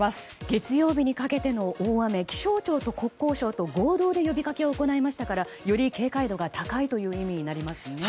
月曜日にかけての大雨気象庁と国交省と合同で呼びかけを行いましたからより警戒度が高いという意味になりますね。